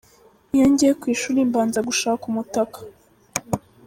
Iyo ngiye ku ishuri mbanza gushaka umutaka.